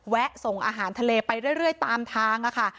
ส่งอาหารทะเลไปเรื่อยตามทางค่ะ